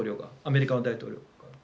アメリカの大統領が。